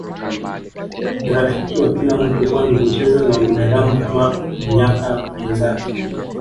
Ni rafiki wa kila mtu kwani hucheza na binadamu Kama mnyaka mwenzake